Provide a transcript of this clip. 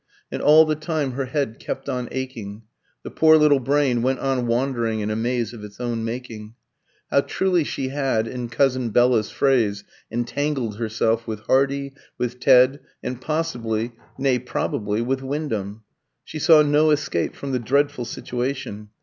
And all the time her head kept on aching. The poor little brain went on wandering in a maze of its own making. How truly she had, in cousin Bella's phrase, "entangled herself" with Hardy, with Ted, and possibly, nay probably, with Wyndham. She saw no escape from the dreadful situation.